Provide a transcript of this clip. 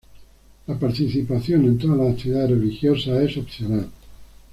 La participación en todas las actividades religiosas es opcional.